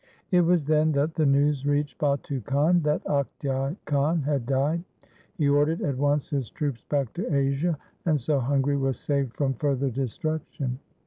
It was then that the news reached Batu Khan that Octai Khan had died. He ordered at once his troops back to Asia, and so Hun gary was saved from further destruction.